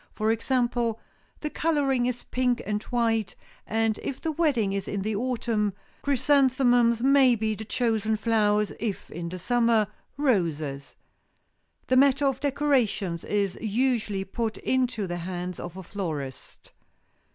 For example, the coloring is pink and white, and if the wedding is in the autumn, chrysanthemums may be the chosen flowers, if in the summer, roses. The matter of decorations is usually put into the hands of a florist.